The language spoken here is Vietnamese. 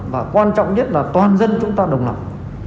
và quan trọng nhất là toàn dân chúng ta đồng lòng